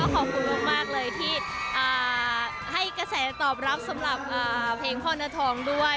ขอบคุณมากเลยที่ให้กระแสตอบรับสำหรับเพลงพ่อเนื้อทองด้วย